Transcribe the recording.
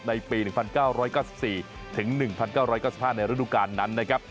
ในปี๑๙๙๔ถึง๑๙๙๕ในฤดูการนั้นนะครับ